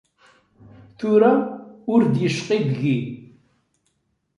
Tura ur d-yecqi deg-i.